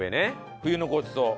冬のごちそう。